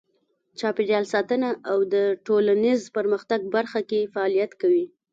چاپیریال ساتنه او د ټولنیز پرمختګ برخه کې فعالیت کوي.